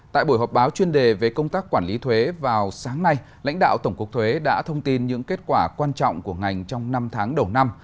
tại buổi họp báo chuyên đề về công tác quản lý thuế vào sáng nay lãnh đạo tổng cục thuế đã thông tin những kết quả quan trọng của ngành trong năm tháng đầu năm